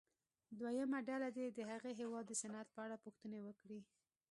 دویمه ډله دې د هغه هېواد د صنعت په اړه پوښتنې وکړي.